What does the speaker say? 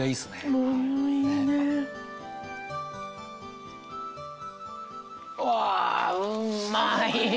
うわうまい。